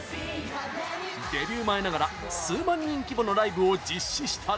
デビュー前ながら、数万人規模のライブを実施したり。